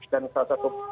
dan salah satu